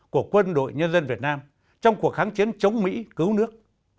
của quân đội nhân dân việt nam trong cuộc kháng chiến chống mỹ cứu nước